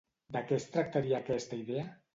De què es tractaria aquesta idea?